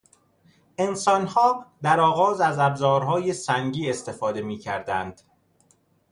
انسانها در آغاز از ابزارهای سنگی استفاده میکردند.